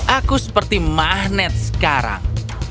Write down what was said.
aku seperti magnet sekarang